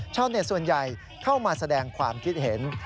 ชาวเน็ตส่วนใหญ่เข้ามาแสดงความคิดเห็น